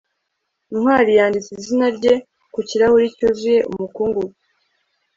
ntwali yanditse izina rye ku kirahure cyuzuye umukungugu